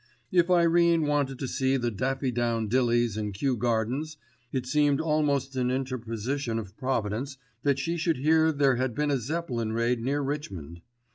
If Irene wanted to see the daffydowndillies in Kew Gardens, it seemed almost an interposition of providence that she should hear there had been a Zeppelin raid near Richmond.